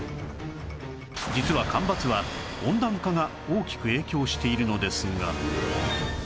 実は干ばつは温暖化が大きく影響しているのですが